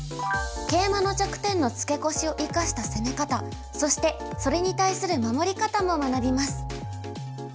ケイマの弱点のツケコシを生かした攻め方そしてそれに対する守り方も学びます。